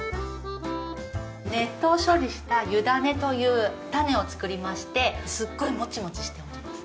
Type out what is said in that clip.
熱湯処理した湯種という種を作りましてすっごいもちもちしております。